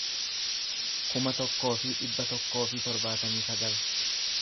kuma tokkoo fi dhibba tokkoo fi torbaatamii sagal